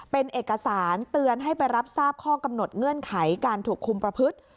เป็นเอกสารเตือนให้ไปรับทราบข้อกำหนดเงื่อนไขการถูกคุมประพฤติ